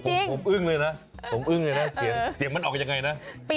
ผมอื้งเลยนะเสียงมันออกยังไงนะ